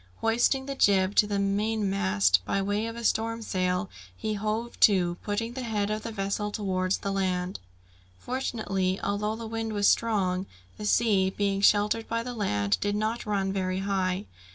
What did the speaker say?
Hoisting the jib to the mainmast by way of a storm sail, he hove to, putting the head of the vessel towards the land. Fortunately, although the wind was strong, the sea, being sheltered by the land, did not run very high.